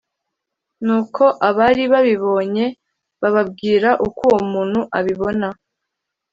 Nuko abari babibonye bababwira uko uwo muntu abibona